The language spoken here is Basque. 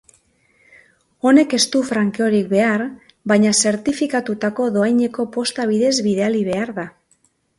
Honek ez du frankeorik behar baina zertifikatutako dohaineko posta bidez bidali behar da.